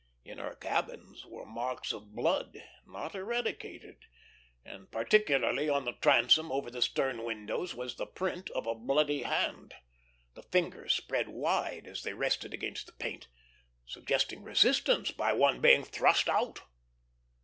In her cabins were marks of blood not eradicated; and particularly on the transom over the stern windows was the print of a bloody hand, the fingers spread wide as they rested against the paint, suggesting resistance by one being thrust out.